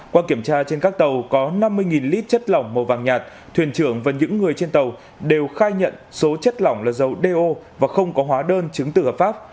qua kiểm tra trên các tàu có năm mươi lít chất lỏng màu vàng nhạt thuyền trưởng và những người trên tàu đều khai nhận số chất lỏng là dầu do và không có hóa đơn chứng từ hợp pháp